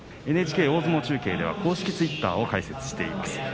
ＮＨＫ大相撲中継では公式ツイッターを開設しています。